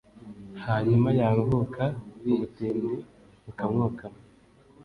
hanyuma yaruhuka, ubutindi bukamwokama